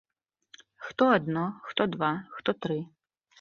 Хто адно, хто два, хто тры.